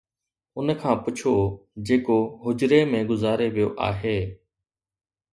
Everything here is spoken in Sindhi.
ان کان پڇو جيڪو هجري ۾ گذاري ويو آهي